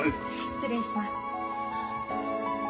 失礼します。